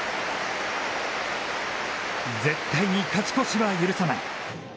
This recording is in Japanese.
絶対に勝ち越しは許さない。